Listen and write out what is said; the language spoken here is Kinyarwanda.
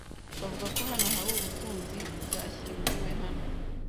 Bavuga ko hano hari ubutunzi bwashyinguwe hano.